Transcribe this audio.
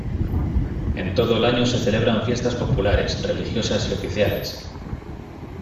En todo el año se celebran fiestas populares, religiosas y oficiales.